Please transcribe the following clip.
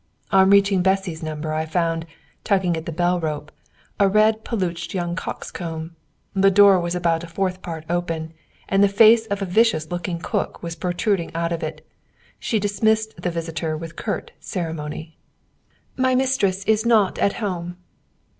On reaching Bessy's number, I found, tugging at the bell rope, a red peluched young coxcomb. The door was about a fourth part open, and the face of the vicious looking cook was protruding out of it. She dismissed the visitor with curt ceremony. "My mistress is not at home!"